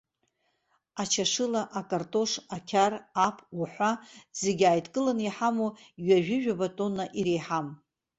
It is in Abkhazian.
Ачашыла, акартош, ақьар, аԥ уҳәа зегьы ааидкыланы иҳамоу ҩажәижәаба тонна иреиҳам.